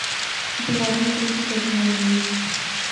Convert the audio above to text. دیواریں اپر اس نی چاکنگ ہونے لغی